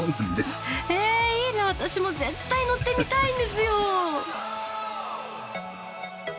えいいな私も絶対乗ってみたいんですよ。